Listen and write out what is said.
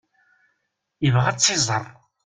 Yebɣa ad t-iẓer.